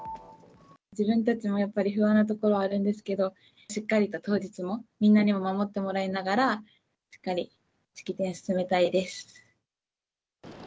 自分たちもやっぱり不安なところはあるんですけど、しっかりと当日もみんなにも守ってもらいながら、しっかり式典を進めたいです。